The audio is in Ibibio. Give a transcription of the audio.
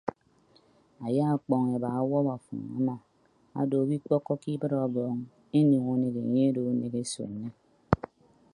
Aya ọkpọñ eba ọwọp afọñ ama odo owo ikpọkkọke ibịt ọbọọñ enek unek enye odo unek esuenne.